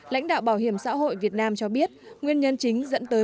lãnh đạo bảo hiểm xã hội việt nam cho biết nguyên nhân chính dẫn tới